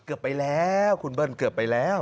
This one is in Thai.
เกือบไปแล้วคุณเบิ้ลเกือบไปแล้ว